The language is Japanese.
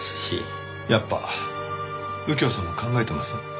やっぱ右京さんも考えてます？